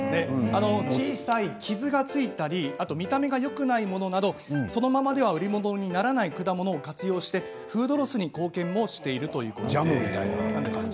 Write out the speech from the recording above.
小さい傷がついたり見た目がよくないものなどそのままでは売り物にならない果物を活用してフードロスに貢献しているということです。